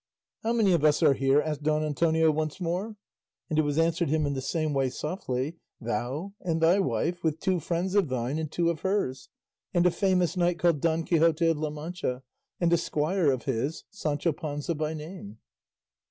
"How many of us are here?" asked Don Antonio once more; and it was answered him in the same way softly, "Thou and thy wife, with two friends of thine and two of hers, and a famous knight called Don Quixote of La Mancha, and a squire of his, Sancho Panza by name."